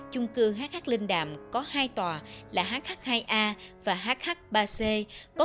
chung cư hh linh đàm có hai tòa là hh hai a và hh ba c có